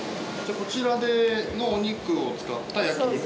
こちらでのお肉を使った焼き肉を。